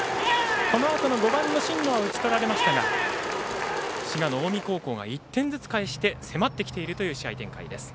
このあとの５番の新野は打ち取られましたが滋賀・近江高校が１点ずつ返して迫ってきているという試合展開。